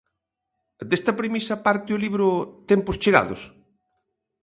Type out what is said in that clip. Desta premisa parte o libro Tempos chegados?